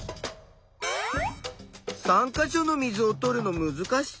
３か所の水をとるのむずかしそう。